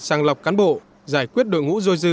sàng lọc cán bộ giải quyết đội ngũ dôi dư